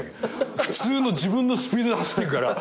普通の自分のスピードで走っていくから。